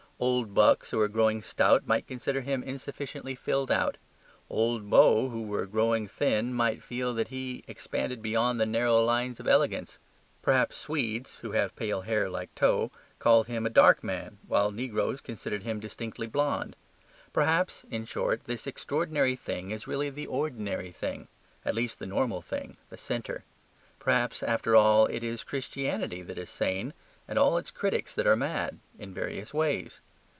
Old bucks who are growing stout might consider him insufficiently filled out; old beaux who were growing thin might feel that he expanded beyond the narrow lines of elegance. Perhaps Swedes (who have pale hair like tow) called him a dark man, while negroes considered him distinctly blonde. Perhaps (in short) this extraordinary thing is really the ordinary thing; at least the normal thing, the centre. Perhaps, after all, it is Christianity that is sane and all its critics that are mad in various ways.